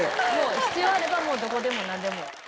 必要あればもうどこでも何でも。